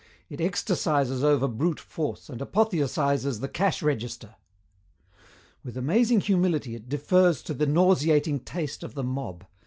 It ecstasizes over brute force and apotheosizes the cash register. With amazing humility it defers to the nauseating taste of the mob.